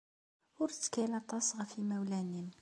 Ur ttkal aṭas ɣef yimawlan-nnem.